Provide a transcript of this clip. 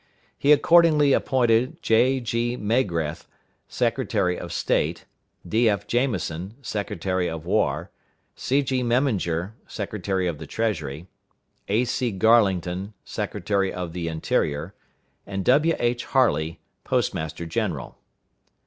He accordingly appointed J.G. Magrath Secretary of State; D.F. Jamison, Secretary of War; C.G. Memminger, Secretary of the Treasury; A.C. Garlington, Secretary of the Interior; and W.H. Harlee, Postmaster general.